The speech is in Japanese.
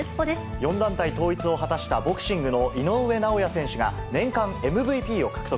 ４団体統一を果たしたボクシングの井上尚弥選手が年間ＭＶＰを獲得。